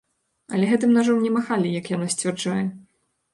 Але гэтым нажом не махалі, як яна сцвярджае.